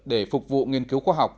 để phục vụ nghiên cứu khoa học